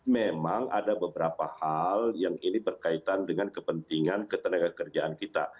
memang ada beberapa hal yang ini berkaitan dengan kepentingan ketenaga kerjaan kita